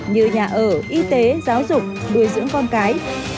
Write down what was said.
như nhà ở y tế giáo dục nuôi dưỡng con cái